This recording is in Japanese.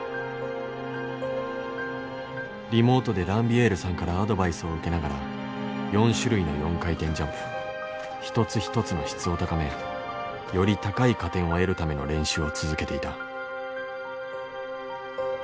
リモートでランビエールさんからアドバイスを受けながら４種類の４回転ジャンプ一つ一つの質を高めより高い加点を得るための練習を続けていた。